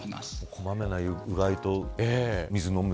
小まめなうがいと水を飲む。